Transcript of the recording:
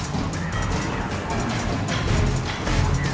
ส่วนชายแล้วแจกแล้วไม่ต้องกวน